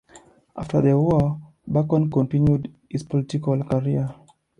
After the war, Bacon continued his political career.